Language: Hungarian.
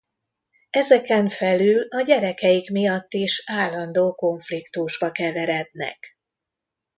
Ezeken felül a gyerekeik miatt is állandó konfliktusba keverednek.